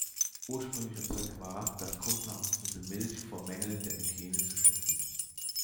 Ursprünglicher Zweck war, das Grundnahrungsmittel Milch vor Mängeln der Hygiene zu schützen.